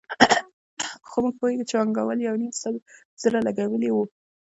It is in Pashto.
خو موږ پوهېږو چې پانګوال یو نیم سل زره لګولي وو